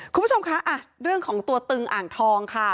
คุณผู้ชมคะเรื่องของตัวตึงอ่างทองค่ะ